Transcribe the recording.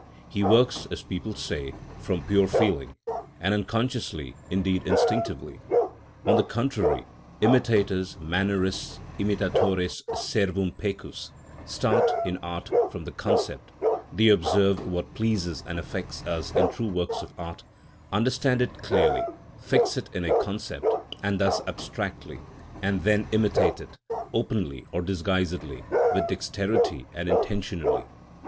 He works, as people say, from pure feeling, and unconsciously, indeed instinctively. On the contrary, imitators, mannerists, imitatores, servum pecus, start, in art, from the concept; they observe what pleases and affects us in true works of art; understand it clearly, fix it in a concept, and thus abstractly, and then imitate it, openly or disguisedly, with dexterity and intentionally.